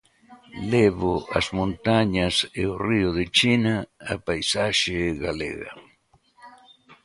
Levo as montañas e o río de China á paisaxe galega.